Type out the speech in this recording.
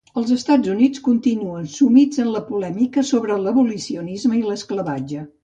Els Estats Units continuen sumits en la polèmica sobre l'abolicionisme i l'esclavatge.